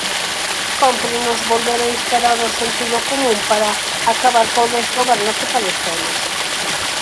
Cómprenos volver a instaurar o sentido común para acabar co desgoberno que padecemos.